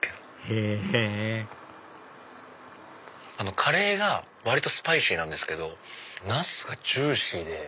へぇカレーが割とスパイシーなんですけどナスがジューシーで。